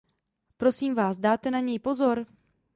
Prosím vás, dáte na něj pozor?